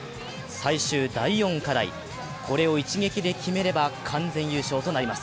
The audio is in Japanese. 最終第４課題、これを一撃で決めれば完全優勝となります。